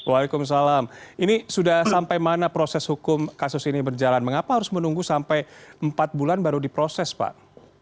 waalaikumsalam ini sudah sampai mana proses hukum kasus ini berjalan mengapa harus menunggu sampai empat bulan baru diproses pak